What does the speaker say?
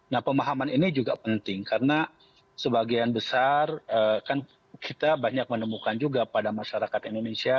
nah pemahaman ini juga penting karena sebagian besar kan kita banyak menemukan juga pada masyarakat indonesia